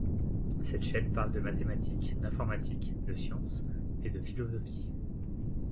Cette chaîne parle de mathématiques, d'informatique, de sciences et de philosophie.